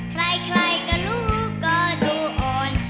ใครก็รู้ก็ดูอ่อน